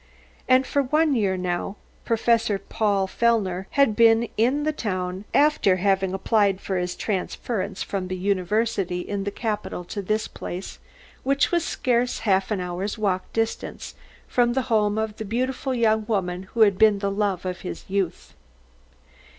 And for one year now Professor Paul Fellner had been in the town, after having applied for his transference from the university in the capital to this place, which was scarce half an hour's walk distant from the home of the beautiful young woman who had been the love of his youth.